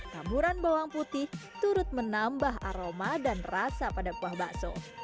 tamuran bawang putih turut menambah aroma dan rasa pada kuah bakso